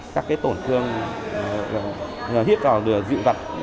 các tổn thương hít vào dịu vật